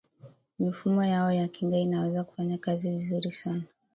mifumo yao ya kinga inaweza kufanya kazi vizuri sana